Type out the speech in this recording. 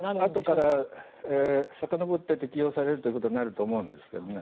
あとからさかのぼって適用されることになると思うんですけどね。